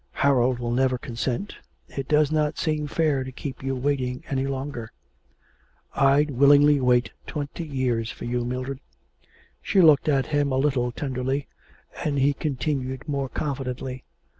Harold will never consent. It does not seem fair to keep you waiting any longer.' 'I'd willingly wait twenty years for you, Mildred.' She looked at him a little tenderly, and he continued more confidently.